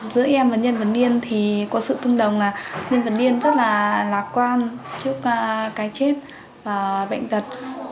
giữa em và nhân vật niên thì có sự tương đồng là nhân vật niên rất là lạc quan trước cái chết và bệnh tật